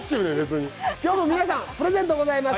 今日も皆さん、プレゼントがございます。